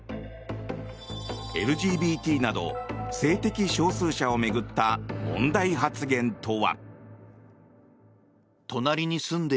ＬＧＢＴなど性的少数者を巡った問題発言とは。